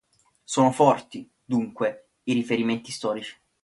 Sono forti, dunque, i riferimenti storici.